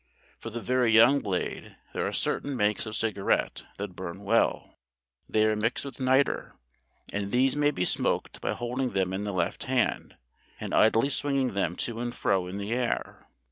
For the very young Blade there are certain makes of cigarette that burn well they are mixed with nitre and these may be smoked by holding them in the left hand and idly swinging them to and fro in the air.